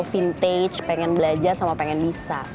vintage pengen belajar sama pengen bisa